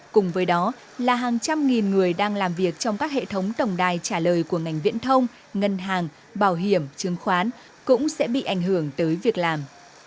cùng với đó là hàng trăm nghìn người đang làm việc trong các hệ thống tổng đài trả lời của ngành viễn thông ngân hàng bảo hiểm chứng khoán cũng sẽ bị ảnh hưởng tới việc làm